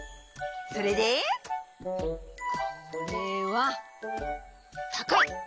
それでこれはたかい！